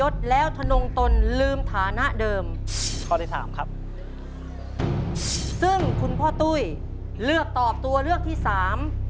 ซึ่งคุณพ่อตุ้ยเลือกตอบตัวเลือกที่สาม